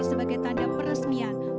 sebagai tanda peresmian